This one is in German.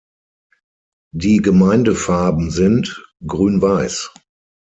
Die Gemeindefarben sind: Grün-Weiß.